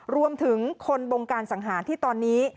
รวมถึงคนบงการสังหารที่ตอนนี้